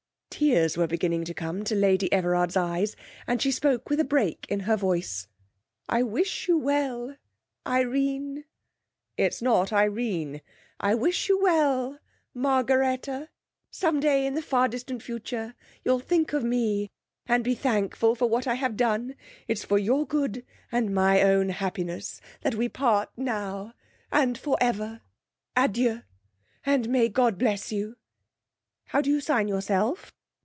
Tears were beginning to come to Lady Everard's eyes, and she spoke with a break in her voice. 'I wish you well, Irene.' 'It's not Irene.' 'I wish you well, Margaretta. Some day in the far distant future you'll think of me, and be thankful for what I have done. It's for your good and my own happiness that we part now, and for ever. Adieu, and may God bless you. How do you sign yourself?'